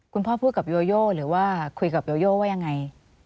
พ่อพูดกับโยโย่หรือว่าคุยกับโยโยว่ายังไง